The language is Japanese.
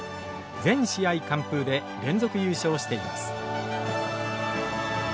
全試合完封で連続優勝しています。